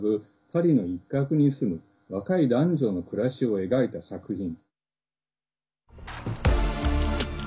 パリの一角に住む若い男女の暮らしを描いた作品。